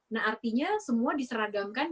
nah artinya semua diseragamkan